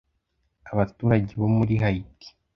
Abaturage bo muri Haiti